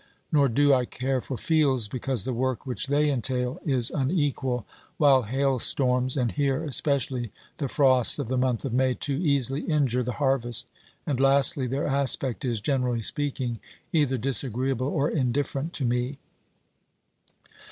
Nor do I care for fields, because the work which they entail is unequal, while hailstorms, and here especially the frosts of the month of May, too easily injure the harvest, and, lastly, their aspect is, generally speaking, either disagree able or indifferent to me.